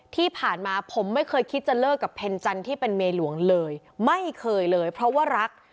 ที่ผ่านมาผมไม่เคยคิดจะเลิกกับเพ็ญจันทร์ที่เป็นเมียหลวงเลยไม่เคยเลยเพราะว่ารัก